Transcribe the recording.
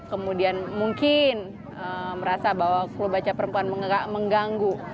yang kemudian mungkin merasa bahwa kulub baca perempuan mengganggu